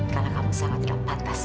karena kamu sangat tidak patas